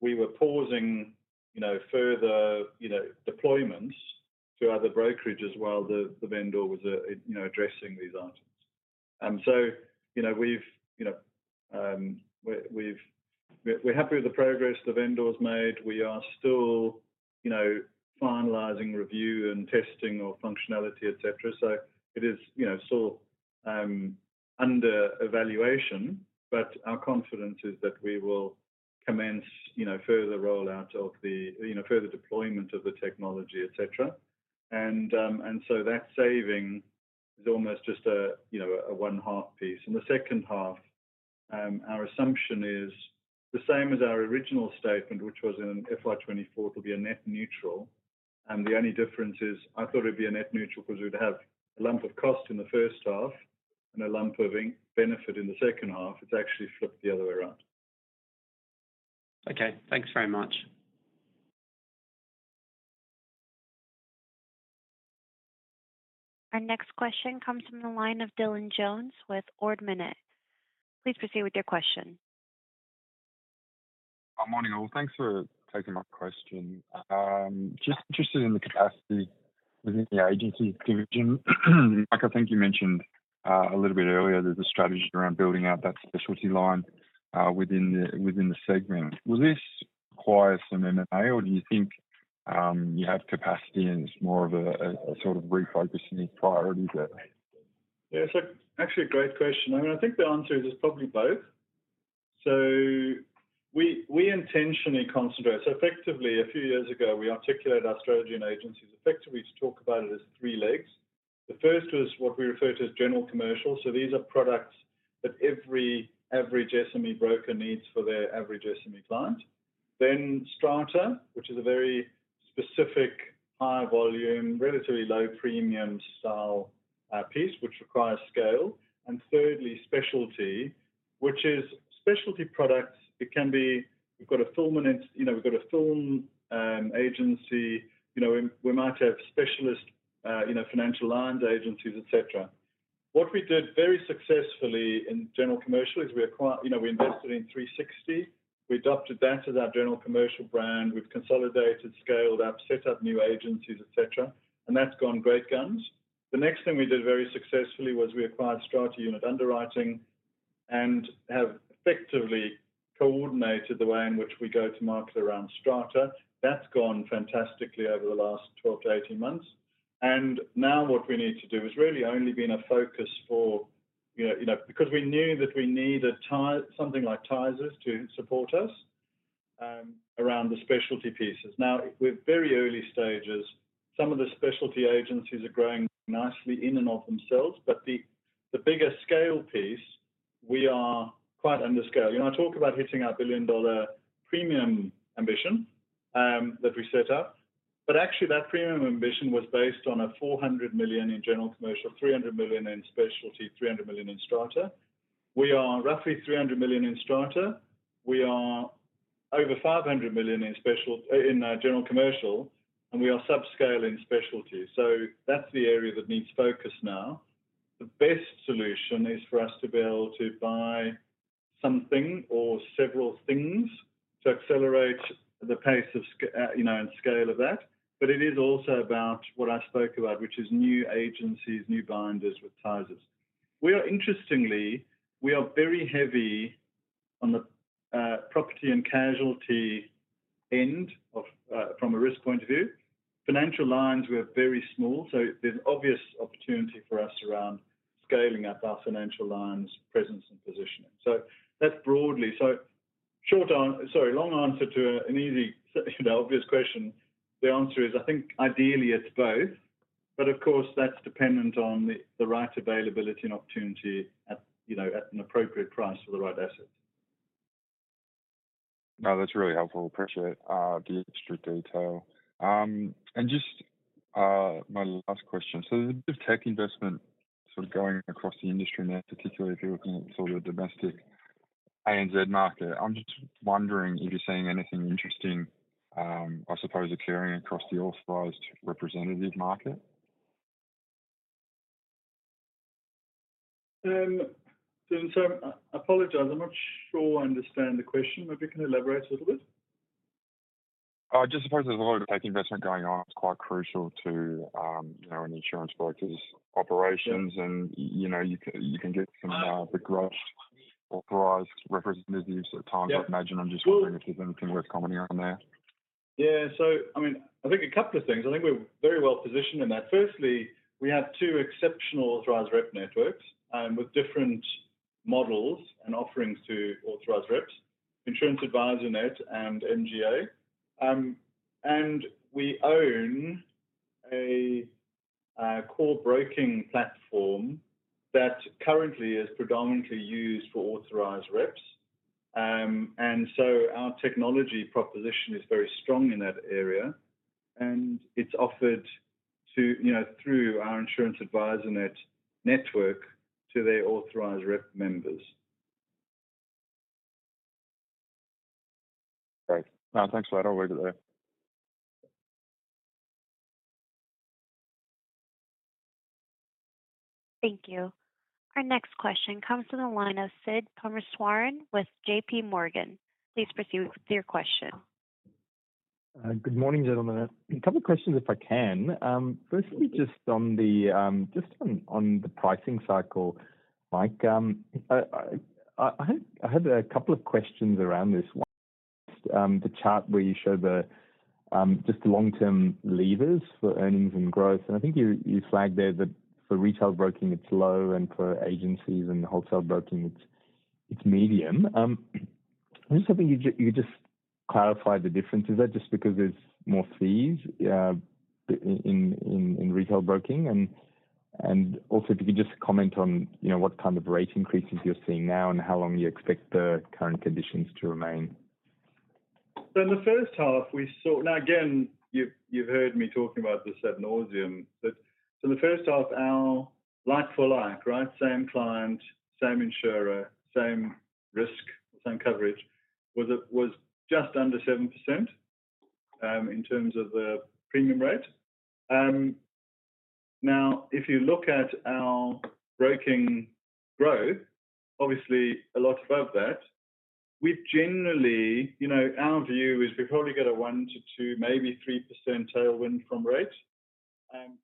we were pausing further deployments to other brokerages while the vendor was addressing these items. So we're happy with the progress the vendor's made. We are still finalizing review and testing or functionality, etc. So it is still under evaluation. But our confidence is that we will commence further rollout of the further deployment of the technology, etc. And so that saving is almost just a one-half piece. And the second half, our assumption is the same as our original statement, which was in FY2024, it'll be a net neutral. And the only difference is I thought it'd be a net neutral because we'd have a lump of cost in the first half and a lump of benefit in the second half. It's actually flipped the other way around. Okay. Thanks very much. Our next question comes from the line of Dylan Jones with Ord Minnett. Please proceed with your question. Good morning, all. Thanks for taking my question. Just interested in the capacity within the agency's division. I think you mentioned a little bit earlier there's a strategy around building out that specialty line within the segment. Will this require some M&A, or do you think you have capacity and it's more of a sort of refocusing of priorities there? Yeah. So actually, a great question. I mean, I think the answer is it's probably both. So we intentionally concentrate. So effectively, a few years ago, we articulated our strategy and agencies effectively to talk about it as three legs. The first was what we refer to as general commercial. So these are products that every average SME broker needs for their average SME client. Then strata, which is a very specific, high-volume, relatively low-premium style piece, which requires scale. And thirdly, specialty, which is specialty products. It can be we've got a film and we've got a film agency. We might have specialist financial lines agencies, etc. What we did very successfully in general commercial is we acquired, we invested in 360. We adopted that as our general commercial brand. We've consolidated, scaled up, set up new agencies, etc. And that's gone great guns. The next thing we did very successfully was we acquired Strata Unit Underwriting and have effectively coordinated the way in which we go to market around strata. That's gone fantastically over the last 12 to 18 months. And now what we need to do has really only been a focus for because we knew that we needed something like Tysers to support us around the specialty pieces. Now, we're at very early stages. Some of the specialty agencies are growing nicely in and of themselves. But the bigger scale piece, we are quite under scale. I talk about hitting our billion-dollar premium ambition that we set up. But actually, that premium ambition was based on 400 million in general commercial, 300 million in specialty, 300 million in strata. We are roughly 300 million in strata. We are over 500 million in general commercial. And we are subscale in specialty. So that's the area that needs focus now. The best solution is for us to be able to buy something or several things to accelerate the pace and scale of that. But it is also about what I spoke about, which is new agencies, new binders with Tysers. Interestingly, we are very heavy on the property and casualty end from a risk point of view. Financial lines, we are very small. So there's obvious opportunity for us around scaling up our financial lines' presence and positioning. So that's broadly. So long answer to an easy, obvious question, the answer is I think, ideally, it's both. But of course, that's dependent on the right availability and opportunity at an appropriate price for the right assets. Now, that's really helpful. Appreciate the extra detail. And just my last question. So there's a bit of tech investment sort of going across the industry now, particularly if you're looking at sort of the domestic ANZ market. I'm just wondering if you're seeing anything interesting, I suppose, occurring across the authorized representative market? Dylan, sorry. I apologize. I'm not sure I understand the question. Maybe you can elaborate a little bit? I just suppose there's a lot of tech investment going on. It's quite crucial to an insurance broker's operations. And you can get some begrudged authorized representatives at times. I imagine I'm just wondering if there's anything worth commenting on there. Yeah. So I mean, I think a couple of things. I think we're very well positioned in that. Firstly, we have two exceptional authorized rep networks with different models and offerings to authorized reps, Insurance Advisernet and MGA. And we own a core broking platform that currently is predominantly used for authorized reps. And so our technology proposition is very strong in that area. And it's offered through our Insurance Advisernet network to their authorized rep members. Great. No, thanks for that. I'll leave it there. Thank you. Our next question comes from the line of Siddharth Parameswaran with J.P. Morgan. Please proceed with your question. Good morning gentlemen. A couple of questions, if I can. Firstly, just on the pricing cycle, Mike, I had a couple of questions around this. The chart where you show just the long-term levers for earnings and growth. I think you flagged there that for retail broking, it's low. And for agencies and wholesale broking, it's medium. I'm just hoping you could just clarify the differences. Is that just because there's more fees in retail broking? Also, if you could just comment on what kind of rate increases you're seeing now and how long you expect the current conditions to remain. So in the first half, we saw now, again, you've heard me talking about the scenario. But so in the first half, our like-for-like, right, same client, same insurer, same risk, same coverage was just under 7% in terms of the premium rate. Now, if you look at our broking growth, obviously, a lot above that, our view is we probably get a 1% to 2%, maybe 3% tailwind from rate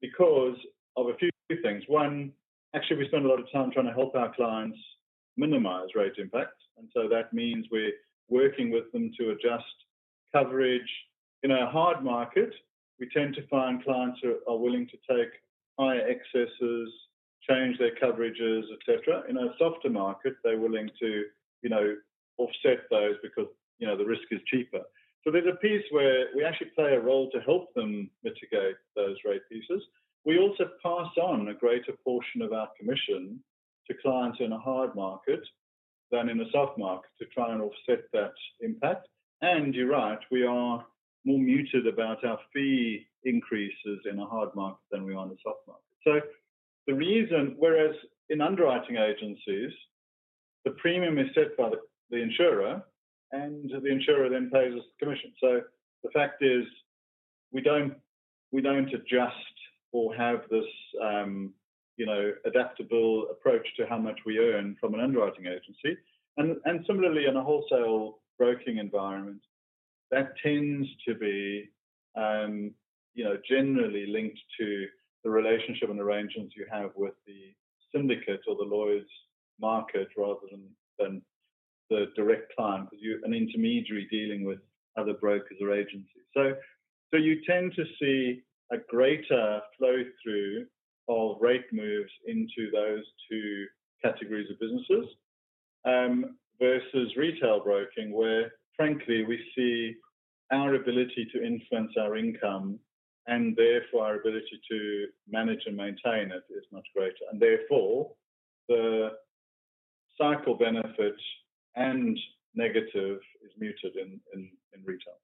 because of a few things. One, actually, we spend a lot of time trying to help our clients minimize rate impact. And so that means we're working with them to adjust coverage. In a hard market, we tend to find clients who are willing to take higher excesses, change their coverages, etc. In a softer market, they're willing to offset those because the risk is cheaper. So there's a piece where we actually play a role to help them mitigate those rate pieces. We also pass on a greater portion of our commission to clients in a hard market than in a soft market to try and offset that impact. And you're right. We are more muted about our fee increases in a hard market than we are in a soft market. So the reason whereas in underwriting agencies, the premium is set by the insurer. And the insurer then pays us the commission. So the fact is we don't adjust or have this adaptable approach to how much we earn from an underwriting agency. And similarly, in a wholesale broking environment, that tends to be generally linked to the relationship and arrangements you have with the syndicate or the Lloyd's market rather than the direct client because you're an intermediary dealing with other brokers or agencies. So you tend to see a greater flow-through of rate moves into those two categories of businesses versus retail broking where, frankly, we see our ability to influence our income and, therefore, our ability to manage and maintain it is much greater. And therefore, the cycle benefit and negative is muted in retail.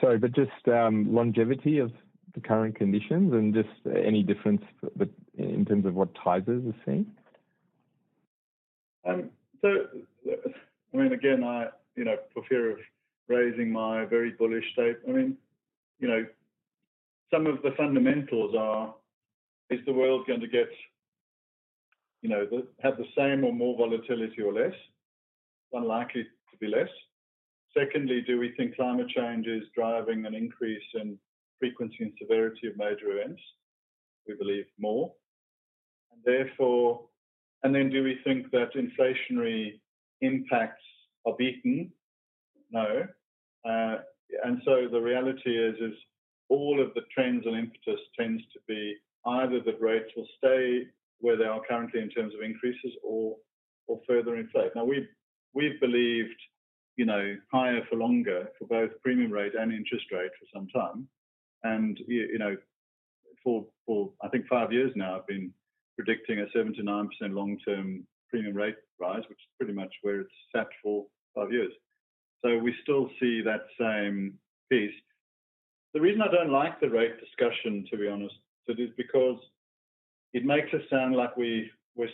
Sorry, but just longevity of the current conditions and just any difference in terms of what Tysers are seeing? So I mean, again, for fear of raising my very bullish statement, I mean, some of the fundamentals are: is the world going to have the same or more volatility or less? It's unlikely to be less. Secondly, do we think climate change is driving an increase in frequency and severity of major events? We believe more. And then do we think that inflationary impacts are beaten? No. And so the reality is all of the trends and impetus tends to be either the rates will stay where they are currently in terms of increases or further inflate. Now, we've believed higher for longer for both premium rate and interest rate for some time. For, I think, five years now, I've been predicting a 7% to 9% long-term premium rate rise, which is pretty much where it's sat for five years. So we still see that same piece. The reason I don't like the rate discussion, to be honest, is because it makes us sound like we're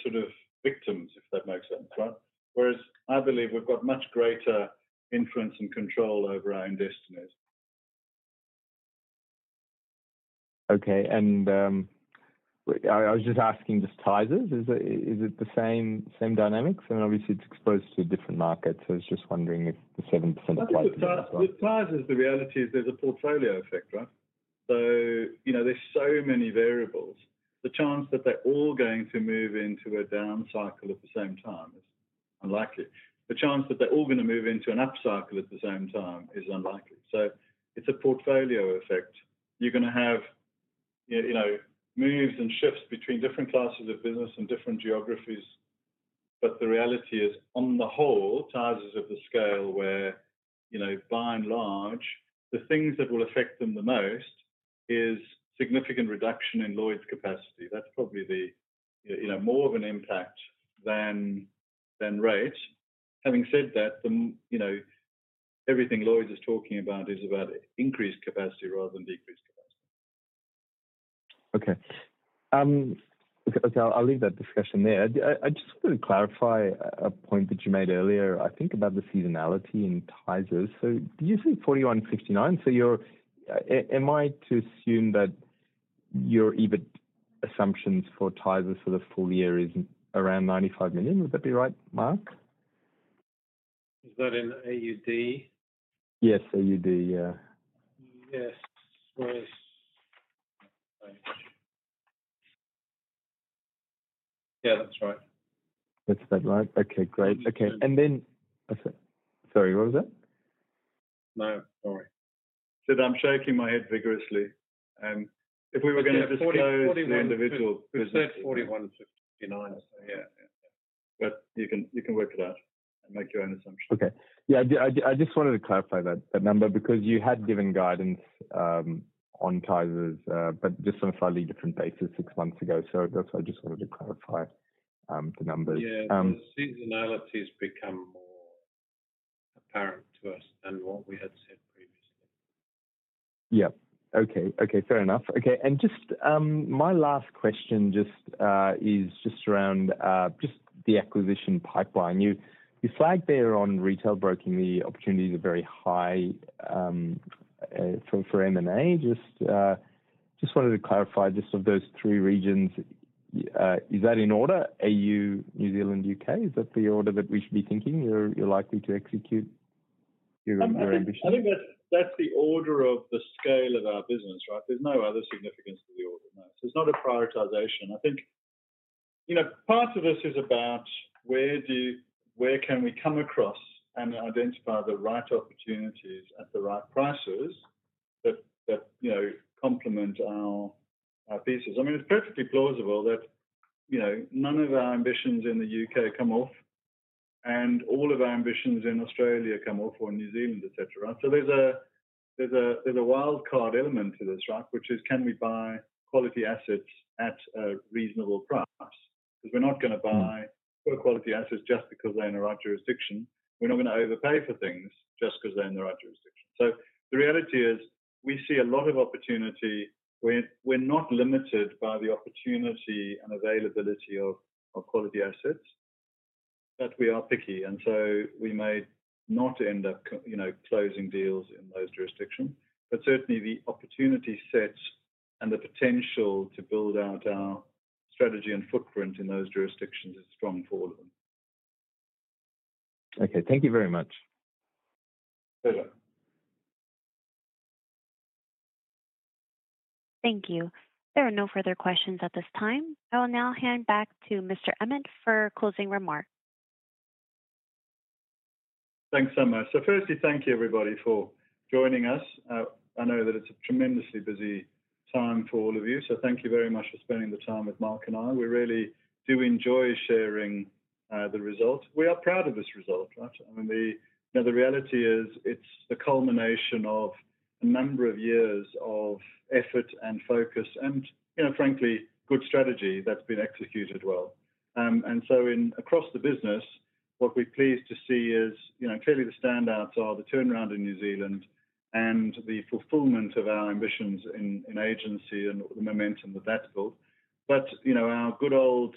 sort of victims, if that makes sense, right? Whereas I believe we've got much greater influence and control over our own destinies. Okay. And I was just asking, does Tysers is it the same dynamics? I mean, obviously, it's exposed to a different market. So I was just wondering if the 7% applied to this as well. With Tysers, the reality is there's a portfolio effect, right? So there's so many variables. The chance that they're all going to move into a down cycle at the same time is unlikely. The chance that they're all going to move into an up cycle at the same time is unlikely. So it's a portfolio effect. You're going to have moves and shifts between different classes of business and different geographies. But the reality is, on the whole, Tysers of the scale where, by and large, the things that will affect them the most is significant reduction in Lloyd's capacity. That's probably more of an impact than rates. Having said that, everything Lloyd's is talking about is about increased capacity rather than decreased capacity. Okay. Okay. I'll leave that discussion there. I just wanted to clarify a point that you made earlier, I think, about the seasonality in Tysers. So did you say 41, 59? So am I to assume that your EBIT assumptions for Tysers for the full year is around 95 million? Would that be right, Mark? Is that in AUD? Yes, AUD. Yeah. Yes. Yeah, that's right. That's about right. Okay. Great. Okay. And then sorry, what was that? No, sorry. I said I'm shaking my head vigorously. If we were going to disclose the individual business. You said 41, 59. So yeah, yeah, yeah. But you can work it out and make your own assumption. Okay. Yeah, I just wanted to clarify that number because you had given guidance on Tysers but just on a slightly different basis six months ago. So that's why I just wanted to clarify the numbers. Yeah. The seasonality's become more apparent to us than what we had said previously. Yep. Okay. Okay. Fair enough. Okay. And my last question is just around just the acquisition pipeline. You flagged there on retail broking, the opportunities are very high for M&A. Just wanted to clarify just of those three regions, is that in order, AU, New Zealand, U.K. Is that the order that we should be thinking you're likely to execute your ambition? I think that's the order of the scale of our business, right? There's no other significance to the order. No. So it's not a prioritization. I think part of this is about where can we come across and identify the right opportunities at the right prices that complement our pieces. I mean, it's perfectly plausible that none of our ambitions in the U.K. come off and all of our ambitions in Australia come off or in New Zealand, etc., right? So there's a wildcard element to this, right, which is can we buy quality assets at a reasonable price? Because we're not going to buy poor quality assets just because they're in the right jurisdiction. We're not going to overpay for things just because they're in the right jurisdiction. So the reality is we see a lot of opportunity. We're not limited by the opportunity and availability of quality assets. But we are picky. And so we may not end up closing deals in those jurisdictions. But certainly, the opportunity sets and the potential to build out our strategy and footprint in those jurisdictions is strong for all of them. Okay. Thank you very much. Pleasure. Thank you. There are no further questions at this time. I will now hand back to Mr. Emmett for closing remarks. Thanks so much. So firstly, thank you, everybody, for joining us. I know that it's a tremendously busy time for all of you. So thank you very much for spending the time with Mark and I. We really do enjoy sharing the result. We are proud of this result, right? I mean, the reality is it's the culmination of a number of years of effort and focus and, frankly, good strategy that's been executed well. And so across the business, what we're pleased to see is clearly, the standouts are the turnaround in New Zealand and the fulfillment of our ambitions in agency and the momentum that that's built. But our good old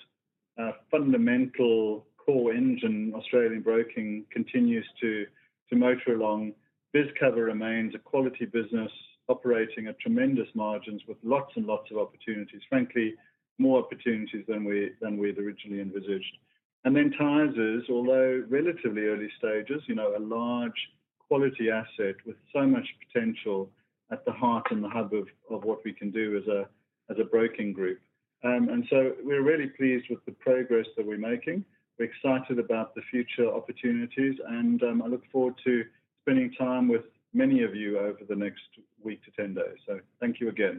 fundamental core engine, Australian broking, continues to motor along. BizCover remains a quality business operating at tremendous margins with lots and lots of opportunities, frankly, more opportunities than we'd originally envisaged. And then Tysers, although relatively early stages, a large quality asset with so much potential at the heart and the hub of what we can do as a broking group. And so we're really pleased with the progress that we're making. We're excited about the future opportunities. I look forward to spending time with many of you over the next week to 10 days. Thank you again.